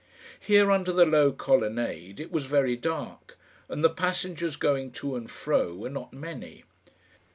Here, under the low colonnade, it was very dark, and the passengers going to and fro were not many.